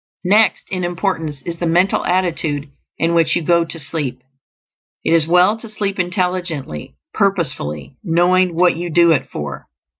Next in importance is the mental attitude in which you go to sleep. It is well to sleep intelligently, purposefully, knowing what you do it for.